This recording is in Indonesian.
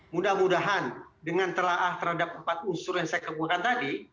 mudah mudahan dengan telah terhadap empat unsur yang saya kemukan tadi